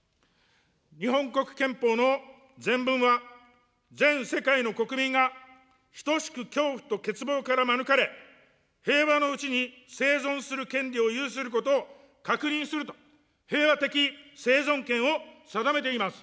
日本国憲法の前文は、全世界の国民が、等しく恐怖と欠乏からまぬかれ、平和のうちに生存する権利を有することを確認すると平和的生存権を定めています。